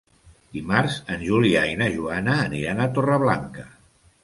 Dimarts en Julià i na Joana aniran a Torreblanca.